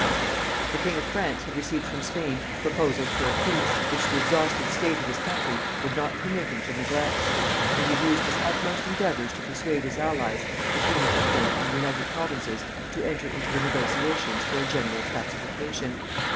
The king of France had received from Spain proposals for a peace, which the exhausted state of his country would not permit him to neglect; and he had used his utmost endeavours to persuade his allies, the queen of England and the United Provinces, to enter into the negotiations for a general pacification.